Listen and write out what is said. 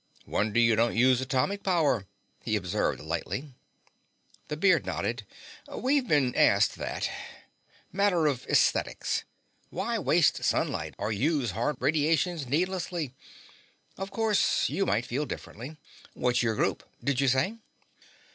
"Wonder you don't use atomic power," he observed lightly. The beard nodded. "We've been asked that. Matter of esthetics. Why waste sunlight or use hard radiations needlessly? Of course, you might feel differently. What's your group, did you say?"